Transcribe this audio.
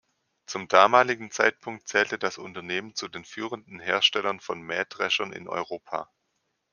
Zum damaligen Zeitpunkt zählte das Unternehmen zu den führenden Herstellern von Mähdreschern in Europa.